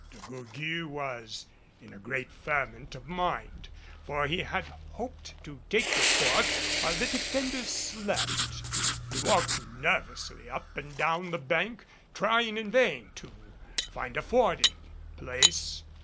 De Gourgues was in a great ferment of mind, for he had hoped to take the fort while the defenders slept. He walked nervously up and down the bank trying in vain to find a fording place.